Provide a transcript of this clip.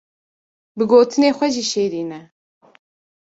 bi gotinê xwe jî şêrîn e.